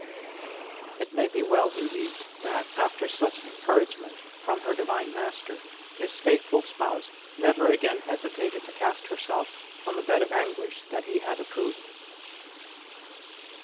It may well be believed that, after such en couragement from her Divine Master, His faithful spouse never again hesitated to cast herself on the bed of anguish that he had approved.